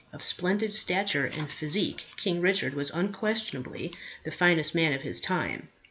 Of splendid stature and physique, King Richard was unquestionably the finest man of his time.